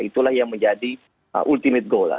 itulah yang menjadi ultimate goal lah